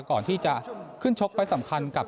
ก่อนที่จะขึ้นชกไฟล์สำคัญกับ